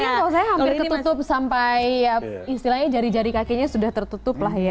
tapi kalau saya hampir ketutup sampai ya istilahnya jari jari kakinya sudah tertutup lah ya